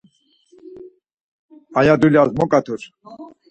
Aya dulyas mo ǩatur.